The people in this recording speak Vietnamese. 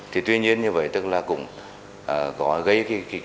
thì tuy nhiên như vậy tức là cũng có gây cái